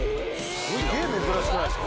すげぇ珍しくないですか？